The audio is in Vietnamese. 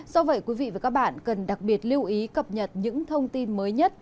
do vậy quý vị và các bạn cần đặc biệt lưu ý cập nhật những thông tin mới nhất